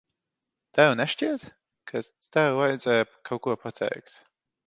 Tev nešķiet, ka tev vajadzēja kaut ko pateikt?